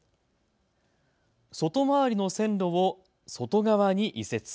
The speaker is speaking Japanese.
外回りの線路を外側に移設。